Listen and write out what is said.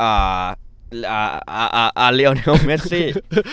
อ่าอ่าอริโวเนโมเมซี่